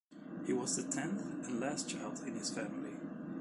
He was the tenth and last child in his family.